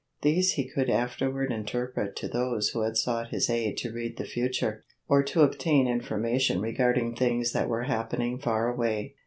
These he could afterward interpret to those who had sought his aid to read the future, or obtain information regarding things that were happening far away.